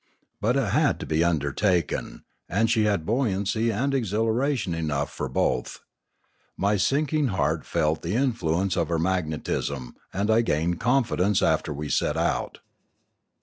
But it had to be undertaken, and she had buoyancy and exhilara tion enough for both. My sinking heart felt the in fluence of her magnetism, and I gained confidence after we set out.